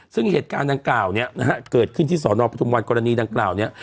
ซึ่งเหตุการณ์ดังกล่าวเนี่ยนะฮะเกิดขึ้นที่สอนอปทุมวันกรณีดังกล่าวเนี่ย